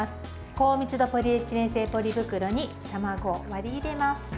高密度ポリエチレン製ポリ袋に卵を割り入れます。